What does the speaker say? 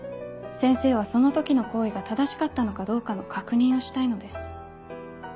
先生はその時の行為が正しかったのかどうかの確認をしたいのです。